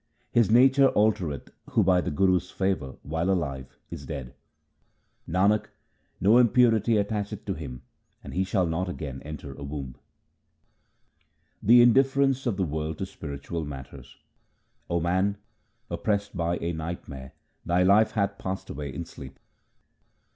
His nature altereth who by the Guru's favour while alive is dead. Nanak, no impurity attacheth to him, and he shall not again enter a womb. The indifference of the world to spiritual matters: — O man, oppressed by a nightmare thy life hath passed away in sleep.